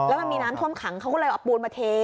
แล้วมันมีน้ำท่วมขังเขาก็เลยเอาปูนมาเท